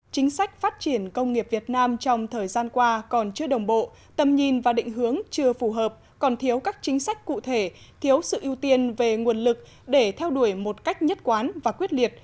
chính sách phát triển công nghiệp việt nam trong thời gian qua còn chưa đồng bộ tầm nhìn và định hướng chưa phù hợp còn thiếu các chính sách cụ thể thiếu sự ưu tiên về nguồn lực để theo đuổi một cách nhất quán và quyết liệt